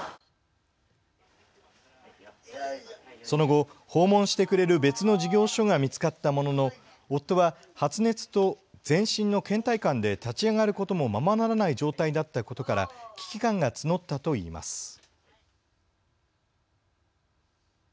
その後、訪問してくれる別の事業所が見つかったものの夫は発熱と全身のけん怠感で立ち上がることもままならない状態だったことから危機感が募ったといいます。